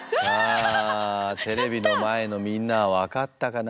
さあテレビの前のみんなは分かったかな？